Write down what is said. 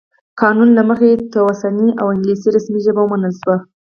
قانون له مخې تسوانایي او انګلیسي رسمي ژبې ومنل شوې.